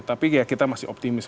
tapi ya kita masih optimis